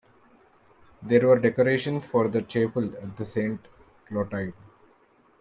There were decorations for the chapel at Saint-Clotilde.